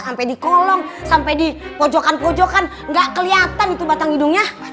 sampai di kolong sampai di pojokan pojokan nggak kelihatan itu batang hidungnya